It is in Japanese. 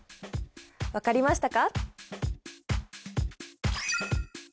分かりましたか？